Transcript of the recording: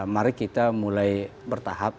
mari kita mulai bertahap